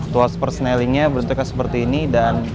tuas persenelingnya berdetekan seperti ini dan